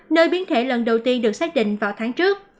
nơi biến thể lần đầu tiên được xác định vào tháng trước